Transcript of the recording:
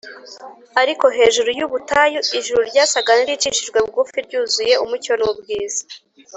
. Ariko hejuru y’ubutayu ijuru ryasaga n’iricishijwe bugufi ryuzuye umucyo n’ubwiza.